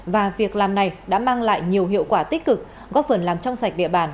và việc làm này đã mang lại nhiều hiệu quả tích cực góp phần làm trong sạch địa bàn